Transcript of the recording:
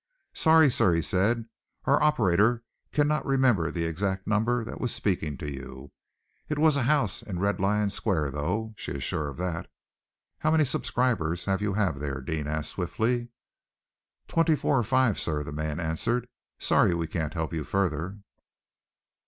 "Sorry, sir," he said, "our operator cannot remember the exact number that was speaking to you. It was a house in Red Lion Square, though. She is sure of that." "How many subscribers have you there?" Deane asked swiftly. "Twenty four or five, sir," the man answered. "Sorry we can't help you further."